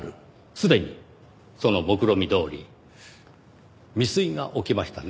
すでにそのもくろみどおり未遂が起きましたね。